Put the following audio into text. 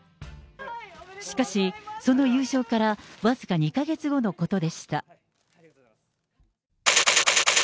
しかし、その優勝から僅か２か月後のことでした。